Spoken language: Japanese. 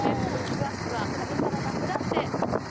詳しくは「旅サラダＰＬＵＳ」で。